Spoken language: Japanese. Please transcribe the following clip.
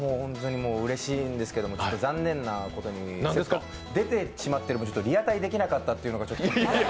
うれしいんですけれども残念なことに出てしまってる分、リアタイできなかったというのがちょっと。